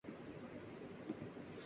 بہتان لگانا ایک بہت بڑا گناہ ہے